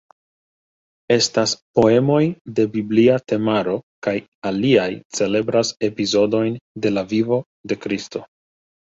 Estas poemoj de biblia temaro kaj aliaj celebras epizodojn de la vivo de Kristo.